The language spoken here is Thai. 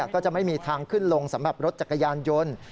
ก็จะมีทางขึ้นลงสำหรับรถจักรยานยนต์